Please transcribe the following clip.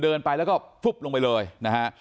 เดินไปแล้วก็ฟุบลงไปเลยนะฮะ